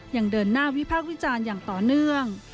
ยังเดินหน้าวิพากษ์วิจารณ์อย่างต่อเนื่อง